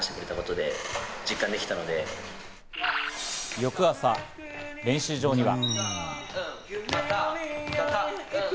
翌朝、練習場には。